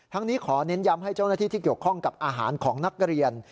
นี้ขอเน้นย้ำให้เจ้าหน้าที่ที่เกี่ยวข้องกับอาหารของนักเรียน